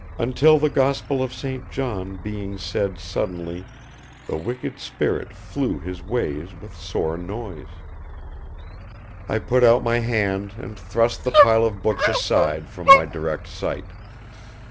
Until the Gospel of St. John being said suddenlie the wicked spirit flue his waies with sore noise_." I put out my hand and thrust the pile of books aside from my direct sight.